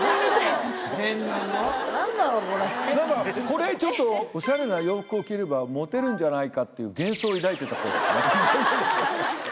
これちょっとオシャレな洋服を着ればモテるんじゃないかっていう幻想を抱いてた頃ですね。